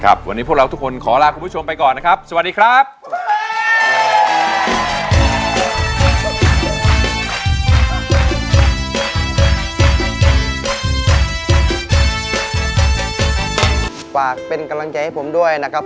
ครับวันนี้พวกเราทุกคนขอลาคุณผู้ชมไปก่อนนะครับ